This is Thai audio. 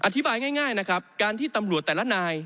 อธิบายง่ายนะครับการที่ตำรวจแต่ละนาย